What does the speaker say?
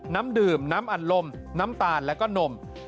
น้ำดื่มน้ำอัดลมน้ำตาลแล้วก็นม